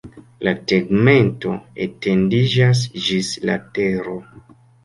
La tegmento etendiĝas ĝis la tero.